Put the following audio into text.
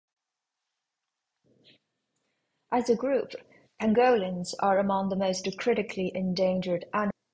As a group, pangolins are among the most critically endangered animals in the world.